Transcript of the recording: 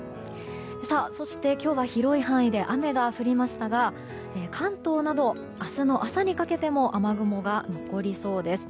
そして、今日は広い範囲で雨が降りましたが関東など、明日の朝にかけても雨雲が残りそうです。